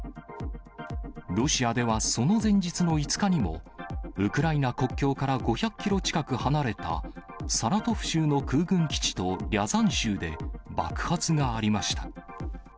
ロシアではその前日の５日にも、ウクライナ国境から５００キロ近く離れたサラトフ州の空軍基地とリャザン州で爆発がありました。